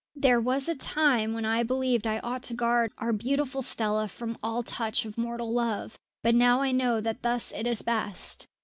"There was a time when I believed I ought to guard our beautiful Stella from all touch of mortal love; but now I know that thus it is best.